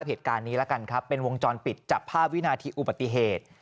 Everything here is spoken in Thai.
เหตุการณ์นี้แล้วกันครับเป็นวงจรปิดจับภาพวินาทีอุบัติเหตุ